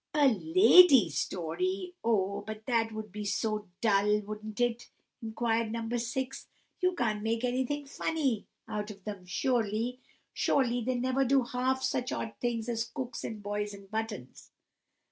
"A Lady Story! Oh, but that would be so dull, wouldn't it?" inquired No. 6. "You can't make anything funny out of them, surely! Surely they never do half such odd things as cooks, and boys in buttons!"